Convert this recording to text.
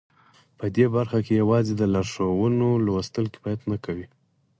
په دې برخه کې یوازې د لارښوونو لوستل کفایت نه کوي